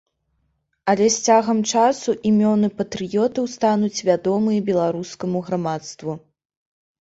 Але з цягам часу імёны патрыётаў стануць вядомыя беларускаму грамадству.